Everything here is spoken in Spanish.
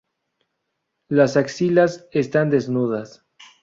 Las axilas están desnudas.